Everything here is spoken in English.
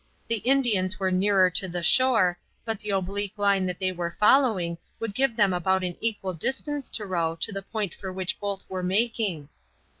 The Indians were nearer to the shore, but the oblique line that they were following would give them about an equal distance to row to the point for which both were making.